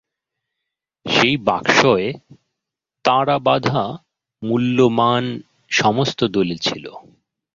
সেই বাক্সয় তাড়াবাঁধা মূল্যমান সমস্ত দলিল ছিল।